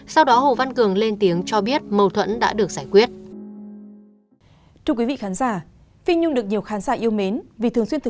sau đó hồ văn cường lên tiếng cho biết mâu thuẫn đã được giải quyết